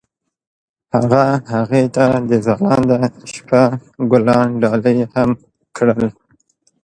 هغه هغې ته د ځلانده شپه ګلان ډالۍ هم کړل.